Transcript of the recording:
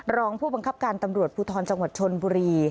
รองผู้บังคับการตำรวจภูทรจังหวัดชนบุรี